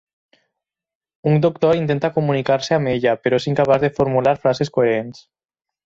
Un doctor intenta comunicar-se amb ella, però és incapaç de formular frases coherents.